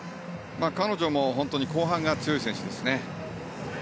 彼女も本当に後半が強い選手ですね。